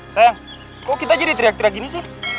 sayang kok kita jadi teriak teriak gini sih